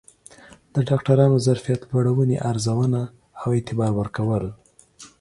د ډاکترانو ظرفیت لوړونه، ارزونه او اعتبار ورکول